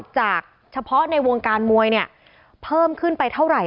จากเฉพาะในวงการมวยเนี่ยเพิ่มขึ้นไปเท่าไหร่